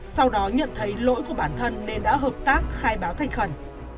sau đó nhận thấy lỗi của bản thân nên đã hợp tác khai báo thành khẩn